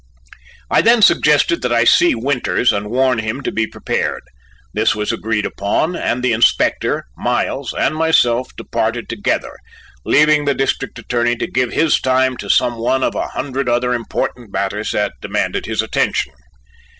I then suggested that I see Winters and warn him to be prepared. This was agreed upon, and the Inspector, Miles, and myself departed together, leaving the District Attorney to give his time to some one of a hundred other important matters that demanded his attention.